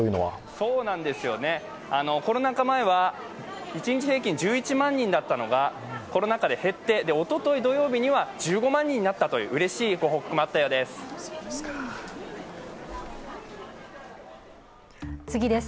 そうなんですよね、コロナ禍前は一日平均１１万人だったのがコロナ禍で減って、おととい土曜日には１５万人になったといううれしい報告もあったようです。